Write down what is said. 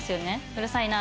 うるさいな。